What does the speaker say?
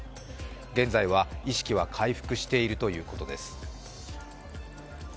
現在は意識は回復しているということです。